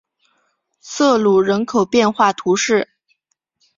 瑟卢人口变化图示